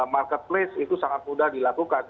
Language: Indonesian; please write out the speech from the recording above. marketplace itu sangat mudah dilakukan